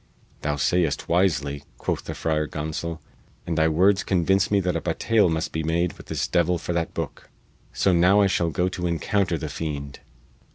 "Thou sayest wisely," quoth the Friar Gonsol, "and thy words convince me that a battaile must be made with this devil for that booke. So now I shall go to encounter the fiend!"